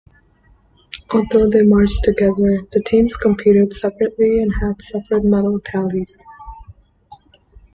Although they marched together, the teams competed separately and had separate medal tallies.